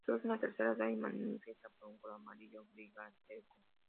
Surge en la tercera edad y se manifiesta por un color amarillo-grisáceo.